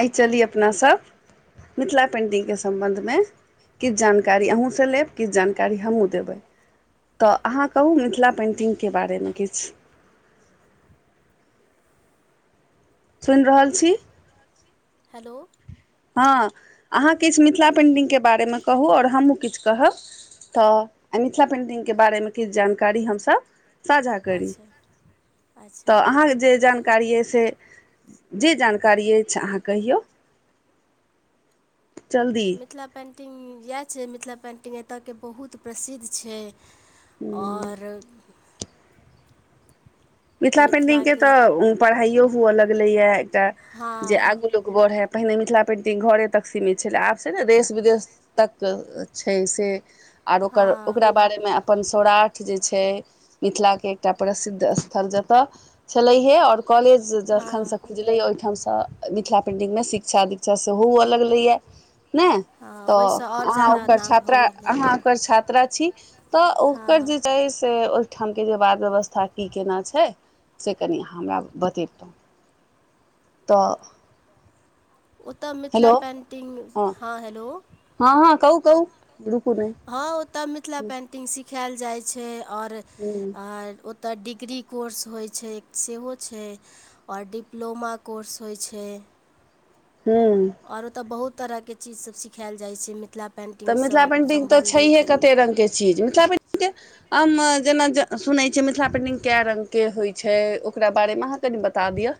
एहि चली अपनासब मिथिला पेन्टिंगके सम्बन्धमें किछ जानकारी अहूँसँ लेब किछ जानकारी जानकारी हमहुँ देबै तऽ अहाँ कहू मिथिला पेन्टिंगके बारेमे किछ सुनि रहल छी हेलो हँ अहाँ किछु मिथिला पेन्टिंगके बारेमे कहू ओर हमहूँ किछु कहब तऽ आ मिथिला पेन्टिंगके बारेमे किछ जानकारी हमसब साझा करी अच्छा अच्छा तऽ अहाँ जे जान कारी अछि से जे जानकारी अछि अहाँ कहिौ चल्दी मिथिला पेन्टिंग इएह छै मिथिला पेन्टिंग एतयके बहुत प्रसिद्ध छै और मिथिला पेंटिंग के मिथिलाके तऽ पढ़ाइयो हुअ लगले या एकटा जे हँ आगू लोक बढ़ै है पहिने मिथिला पेंटिंग घरे तक सीमित छलै आब से ने देश विदेश तक छै से आर ओकर हँ ओकरा बारेमें अपन सौराठ जे छै मिथिलाके एकटा प्रसिद्ध स्थल जेत छलैहे और कॉलेज जखन से हँ जेैए ओहिठामसँ मिथिला पेन्टिंग में शिक्षा दीक्षा सेहो अलग लैए नै हँ ओहिसँ तऽ आओर अहाँ ज्यादा ओकर नाम भऽ छात्रा गेलै अहाँ ओकर छात्रा छी तऽ ओकर हँ जे छै से ओहिठाम के जे बाद व्यवस्था की केना छै से कनि अहाँ हमरा बतैबतौ ओतय मिथिला पेन्टिंग हँ हेलो हँ हँ कहु कहु रूकू नह हँ ओतऽ मिथिला पेन्टिंग सिखैल जाई छै आओर ओतऽ डिग्री कोर्स होइ छै सेहो छै ओर डिप्लोमा कोर्स होइ छै हूँ ओर ओतय बहुत तरह के चीज सब सिखायल जाई छै मिथिला तऽ पेन्टिंगसँ मिथिला पेन्टिंग तऽ छैहे सम्बन्धित कते रंगके चीज मिथिला पे तऽ हम जेना जे सुनैत छै मिथिला पेन्टिंग कए रंगके होइत छै ओकरा बारेमे अहाँ कनि बता दिअ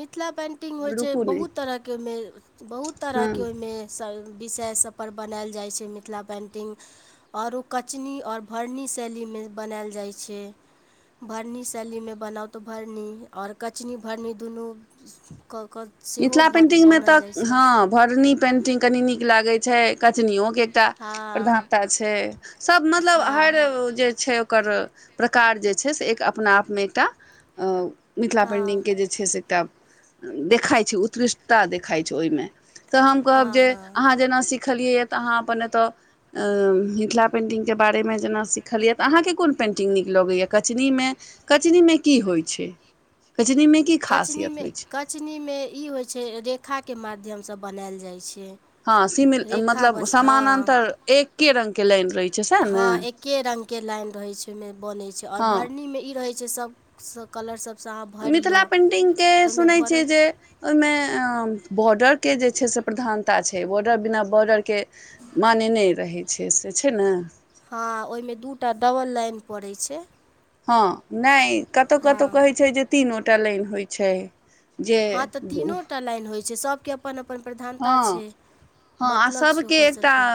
मिथिला पेन्टिंग होइ छै रुकू नहि बहुत तरहके ओहिमे बहुत हँ तरहके ओहिमे सब विषय सभपर बनायल जाई छै मिथिला पेन्टिंग ओर ओ कचनी आओर भरनी शैलीमे बनायल जाइ छै भरनी सैली में बनाउ त भरनी और कचनी भरनी दुनू कऽ कऽ सेहो मिथिला भर पेन्टिंग में बनल तऽ जाइ छै हँ भरनी पेन्टिंग कनि नीक लागैत छै कचनियोके हँ प्रधानता छै सब मतलब हर हँ जे छै कर प्रकार जे छइ से एक अपअपना आप में एकटा मिथिला पेंटिंग हँ के स छै से एकटा देखाइ छै उत्कृष्टता देखाइ छै ओहिमे तऽ हम कहब हँ जे हँ हँ अहाँ जेना सिखलियैए तऽ अहाँ अपन एतय मिथिला पेन्टिङंगके बारेमें जेना सिखलियए तऽ अहाँकेँ कोन पेन्टिङंग नीक लगैए कचनीमे कचनी में की होइ छै कचनी में कचनी में कचनीमे ई होइत छै रेखाके माध्यमसँ बनायल जाइत छै हँ सिमिल रेखा मतलब बस हँ समानानतर एक्के रंगके लाइन रहैत छै सएह ने के रंगके लाईन रहैत छै ओहिमे बनैत छै आओर हँ भरनीमे ई रहैत छै सभ स कलर सबसँ अहाँ भरियौ के ओइमे सुनै छै भरल जे ओहि में बॉर्डरके जे छै से प्रधानता छै बॉर्डर बिना बॉर्डरके मान्य नहि रहै छै से छै ने हँ ओहि में दू टा डबल लाईन पड़ै छै हँ नय कतहु कतहु हँ कहै छै जे तीन गो कतहु टा लाईन होइ छै जे हँ तऽ तीनो टा लाइन होइ छै सबके पन अपन प्रधानता हँ छै हँ आ मतलब छै सभके ओकर एकटा सबके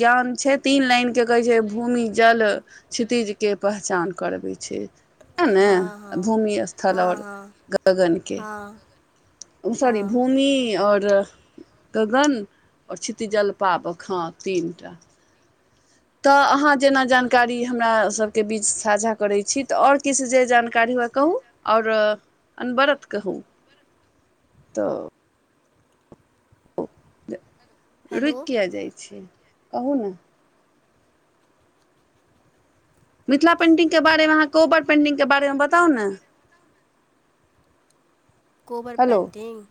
ज्ञान छै तीन लाइन के कहे छै भूमि जल क्षतिज के पहचान करबै छै तए ने हँ हँ भूमि स्थल हँ ओर हँ गगनके हँ उ सॉरी हँ भू [unintelligible] ओर गगन आओर छितीजल पाबक हँ तीनटा। तऽ अहाँ जेना जानकारी हमर सभके बीच साझा करै छी तऽ आओर किछु जे जानकारी हुए कहू। आओर अनवरत कहू तऽ रुकि हेलो किया जाइत छि कहू ने। मिथिला पेन्टिंगके बारेमे अहाँ कोबर पेन्टिंगके बारेमे बताउ ने। कोबर हेलो पेन्टिंग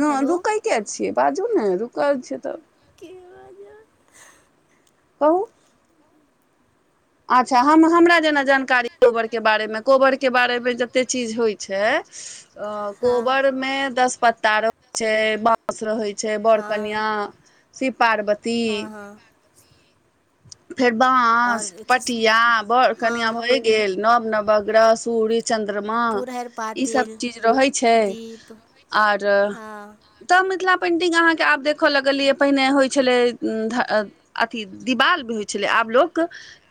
न हेलो रुकै किया छियै बाजू ने रुकल छियै तऽ के [unintelligible] कहू अच्छा हम हमरा जेना जानकारी कोबर के बारे मे कोबर के बारे में जते चीज होइ छैय हँ कोबर मे दस पत्ता [unintelligible] छैय। रहै छैय बर कनिया शिव पार्वती हँ हँ हँ फेर आओर बाँस चीज पटिया बर हँ कनिआ हँ भए गेल नव नव अग्रह सूरी चन्द्रमा पुरहरि ईसभ पातिल चीज रहै छैय दीप आर हँ तऽ मिथिला पेन्टिंग अहाँके आब देख लगलियै पहिने होइत छलै ध अथी दिवाल रहै छलै आब लोक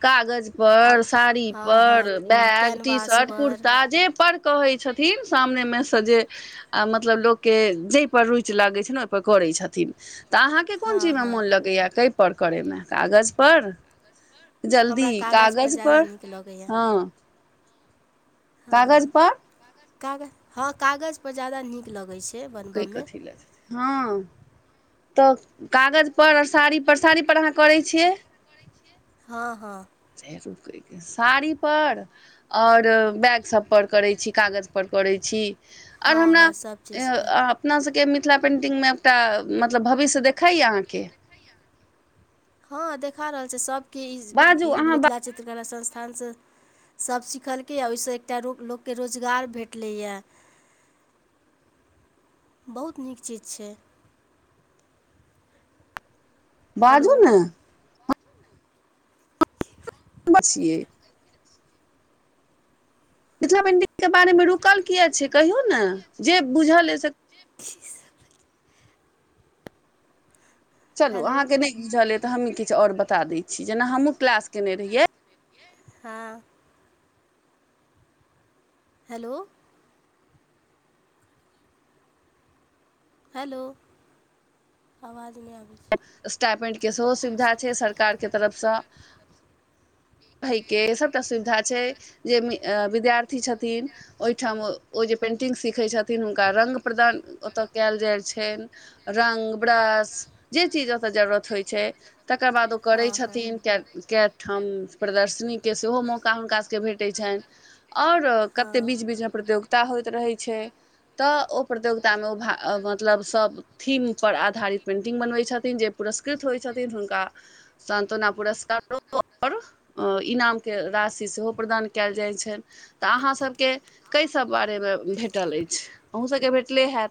कागज पर साड़ी पर बैग टी शर्ट कैनवासपर कुर्ता जे पर कहै छथिन सामने मे स जेे आ मतलब लोकके जाहिपर रुचि लागैत छैय ने ओहिपर करै छथिन तऽ अहाँके छनि कोन अपन करै छथिन हँ चीजमे हँ मोन लगैया कै पर करेमे कागज पर? जल्दी हमरा कागजपर कागज ज्यादा पर नीक लगैए हँ। कागज हँ पर कागज हँ कागज पर ज्यादा नीक लगैत छैय। [unintelligible] हँ तऽ कागजपर साड़ी पर साड़ी पर अहाँ करै छियै। हँ हँ [unintelligible] साड़ी पर आओर बैग सभ पर करै छी कागज पर करै छी। आओर हँ हमरा हँ सभ अ चीजपर अपना सबके मिथिला पेन्टिंगमे एकटा मतलब भविष्य देखाय या अहाँके? हँ देखा रहल छैय सभके ई बाजू ई अहाँ मिथिला चित्रकला संस्थानसँ सभ सिखलकैया ओहिसँ एकटा रो लोककेँ रोजगार भेटलैया। [inaudible] बहुत नीक चीज छैय। हेलो बाजू ने। [unintelligible] छियै। मिथिला पेंटिंग के बारेमे रुकल किया छीयै कहियौ ने जे बुझल या से [unintelligible] चलू हेलो अहाँ के नहि बुझल ये तऽ हमी किछु और बता दै छी जेना हमहुँ क्लास केने रहियै हँ हेलो हेलो आवाज नहि आब स्टैपेंट के सेहो सुविधा छैय सरकार के तरफसँ [unintelligible] के सबटा सुविधा छैय जे विद्यार्थी छथिन ओहिठाम ओ जे पेंटिंग सीखैत छथिन हुनका रंग प्रदान ओत कयल जाइ छनि रङ्ग ब्रश जे चीज ओतय जरूरत होइत छैय तकर बाद ओ करैत हँ हँ छथिन कए ठाम प्रदर्शनीके सेहो मौका हुनकासभके भेटै छनि। आओर कतेक हँ बीच बीचमे प्रतियोगिता होइत रहै छैय। तऽ ओ प्रतियोगिता मे ओ मतलब सब थीम पर आधारित पेंटिंग बनवै छथिन जे पुरस्कृत होइ छथिन हुनका सानत्वना पुरस्कारो ओर इनामके राशि सेहो प्रदान कयल जाइत छनि तऽ अहाँसभके कैसब बारेमे भेटल अछि अहूँसभके भेटले हैत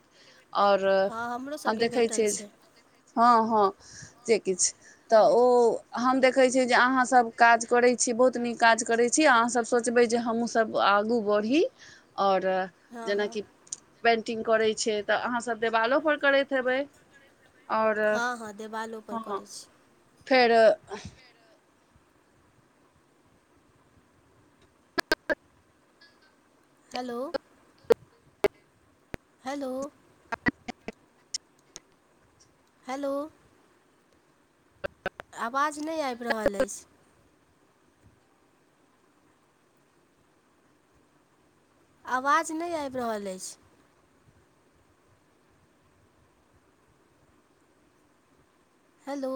और हँ हमरो हम सभके देखै भेटल छियै जे छै हँ हँ जे किछु हँ तऽ ओ हम देखैत छियै जे अहाँसब काज करैत छी बहुत नीक काज करैत छी छी अहाँसभ सोचबै जे हमहूँसभ आगू बढ़ी आओर हँ हँ जेनाकि पेन्टिंग करै छै तऽ अहाँसभ देवालोपर करैत हेबै ओर हँ हँ देवालोपर हँ करै छी फेर हेलो हेलो हेलो आवाज नहि आबि रहल अछि आवाज नहि आबि रहल अछि हेलो